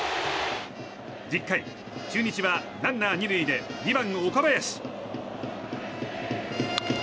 １０回、中日はランナー２塁で２番の岡林。